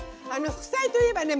副菜といえばね